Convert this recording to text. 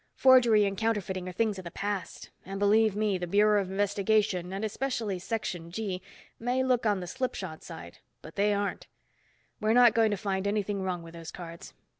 Forgery and counterfeiting are things of the past. And, believe me, the Bureau of Investigation and especially Section G, may look on the slipshod side, but they aren't. We're not going to find anything wrong with those cards.